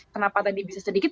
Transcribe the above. kenapa tadi bisa sedikit